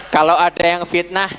kalau ada yang fitnah